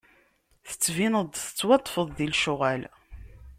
Tettbineḍ-d tettwaṭṭfeḍ di lecɣal.